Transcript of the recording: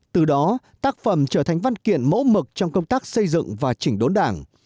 từ đó tác phẩm trở thành văn kiện mẫu mực trong công tác xây dựng và chỉnh đốn đảng